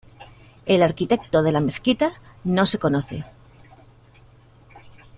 El arquitecto de la mezquita no se conoce.